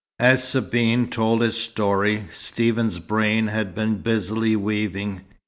As Sabine told his story, Stephen's brain had been busily weaving.